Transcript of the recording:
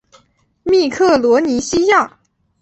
密克罗尼西亚。